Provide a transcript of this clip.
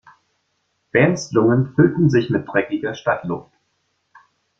Bernds Lungen füllten sich mit dreckiger Stadtluft.